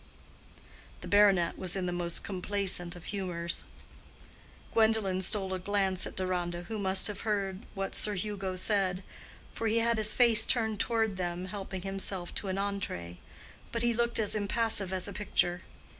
The baronet was in the most complaisant of humors. Gwendolen stole a glance at Deronda, who must have heard what Sir Hugo said, for he had his face turned toward them helping himself to an entrée; but he looked as impassive as a picture.